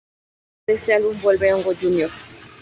Además, en este álbum vuelve Hongo Jr.